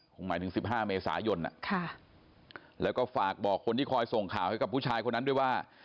หมายถึง๑๕เมษายนแล้วก็ฝากบอกคนที่คอยส่งข่าวให้กับผู้ชายคนนั้นด้วยว่า